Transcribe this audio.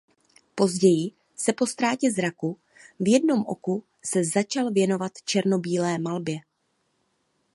Později se po ztrátě zraku v jednom oku se začal věnovat černobílé malbě.